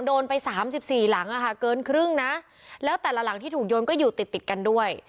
โดนไปสามสิบสี่หลังอ่ะค่ะเกินครึ่งนะแล้วแต่ละหลังที่ถูกโยนก็อยู่ติดติดกันด้วย